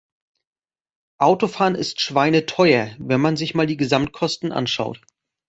Autofahren ist schweineteuer, wenn man sich mal die Gesamtkosten anschaut.